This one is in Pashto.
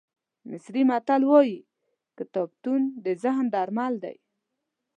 مصري متل وایي کتابتون د ذهن درمل دی.